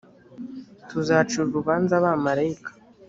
tuzacira urubanza abamarayika